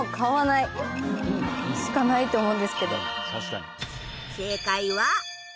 しかないと思うんですけど。